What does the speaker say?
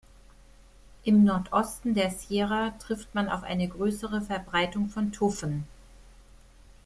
Im Nordosten der Sierra trifft man auf eine größere Verbreitung von Tuffen.